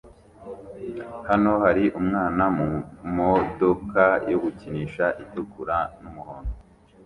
Hano hari umwana mumodoka yo gukinisha itukura numuhondo